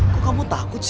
kok kamu takut sih